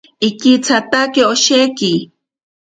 Ikitsatake osheki.